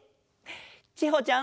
ちほちゃん。